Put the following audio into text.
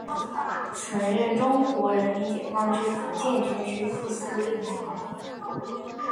曾任中国人民解放军福建军区副司令员。